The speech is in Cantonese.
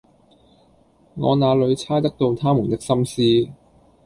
我那裏猜得到他們的心思，